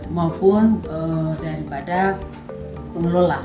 maupun daripada pengelola